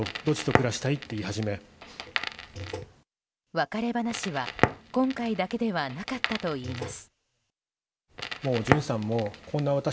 別れ話は今回だけではなかったといいます。